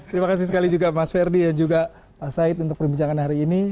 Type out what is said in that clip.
terima kasih sekali juga mas ferdi dan juga pak said untuk perbincangan hari ini